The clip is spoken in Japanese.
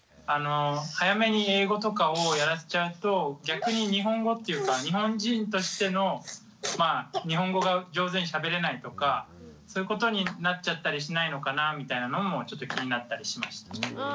早めに英語とかをやらせちゃうと逆に日本語っていうか日本人としてのまあ日本語が上手にしゃべれないとかそういうことになっちゃったりしないのかなみたいなのもちょっと気になったりしました。